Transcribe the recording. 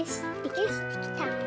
よしできた！